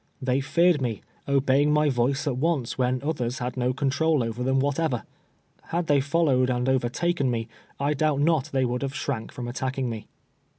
They feared me, obeying my voice at once when others had no control over them whatever. Had they followed and overtaken me, I doubt not they would have shrank from attacking me.